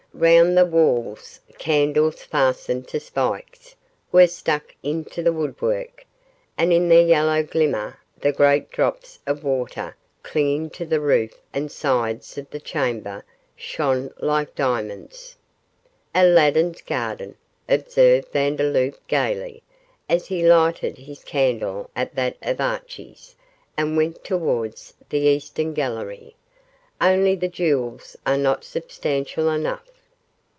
Round the walls candles fastened to spikes were stuck into the woodwork, and in their yellow glimmer the great drops of water clinging to the roof and sides of the chamber shone like diamonds. 'Aladdin's garden,' observed Vandeloup, gaily, as he lighted his candle at that of Archie's and went towards the eastern gallery, 'only the jewels are not substantial enough.